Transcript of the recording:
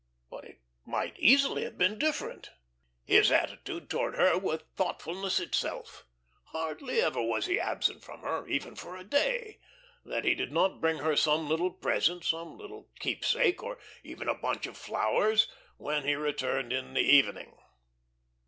But it might easily have been different. His attitude towards her was thoughtfulness itself. Hardly ever was he absent from her, even for a day, that he did not bring her some little present, some little keep sake or even a bunch of flowers when he returned in the evening.